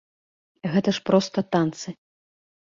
Гэта ж проста танцы.